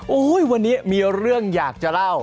โอ้โหวันนี้มีเรื่องอยากจะเล่า